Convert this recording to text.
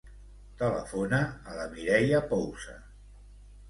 Telefona a la Mireia Pousa.